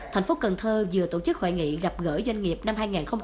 thành phố cần thơ vừa tổ chức hội nghị gặp gỡ doanh nghiệp năm hai nghìn một mươi tám